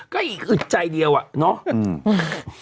ก็อีกอึดใจเดียวอะเนาะ